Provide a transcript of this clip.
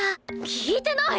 聞いてない！